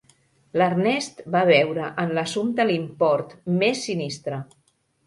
L'Ernest va veure en l'assumpte l'import més sinistre.